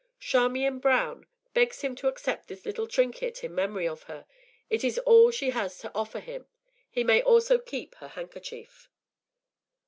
Charmian Brown begs him to accept this little trinket in memory of her; it is all she has to offer him. He may also keep her handkerchief."